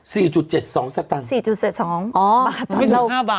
สี่จุดเจ็ดสองสตางค์สี่จุดเจ็ดสองอ๋อไม่ถึงห้าบาท